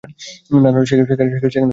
না, না সেখানে তুমি যাইতে পারিবে না।